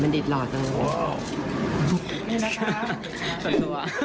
มันนี่ดหล่อจังเลย